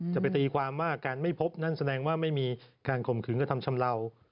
จะไปตีความว่าการไม่พบนั่นแสดงว่าไม่มีการข่มขืนกระทำชำเลา